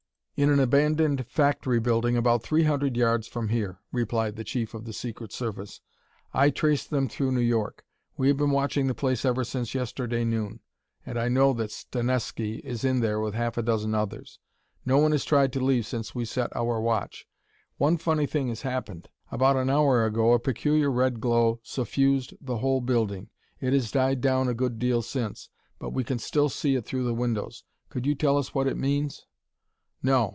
"In an abandoned factory building about three hundred yards from here," replied the Chief of the Secret Service. "I traced them through New York. We have been watching the place ever since yesterday noon, and I know that Stanesky is in there with half a dozen others. No one has tried to leave since we set our watch. One funny thing has happened. About an hour ago a peculiar red glow suffused the whole building. It has died down a good deal since, but we can still see it through the windows. Could you tell us what it means?" "No.